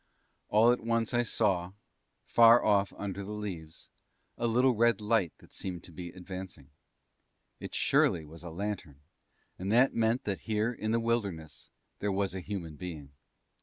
All at once I saw, far off under the leaves, a little red light that seemed to be advancing. It surely was a lantern, and that meant that here, in the wilderness, there was a human being.